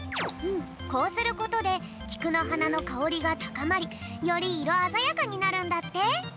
こうすることできくのはなのかおりがたかまりよりいろあざやかになるんだって。